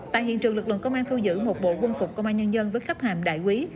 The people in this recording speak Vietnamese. tại hiện trường lực lượng công an thu giữ một bộ quân phục công an nhân dân với khách hàm đại quý